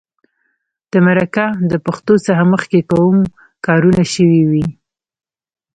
د مرکه د پښتو څخه مخکې کوم کارونه شوي وي.